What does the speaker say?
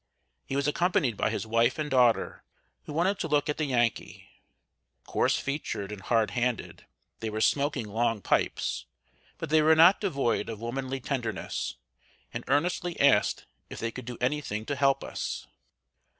He was accompanied by his wife and daughter, who wanted to look at the Yankee. Coarse featured and hard handed, they were smoking long pipes; but they were not devoid of womanly tenderness, and earnestly asked if they could do any thing to help us.